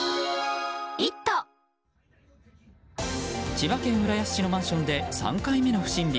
千葉県浦安市のマンションで３回目の不審火。